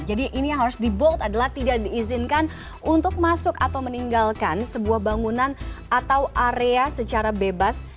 jadi ini yang harus dibolt adalah tidak diizinkan untuk masuk atau meninggalkan sebuah bangunan atau area secara bebas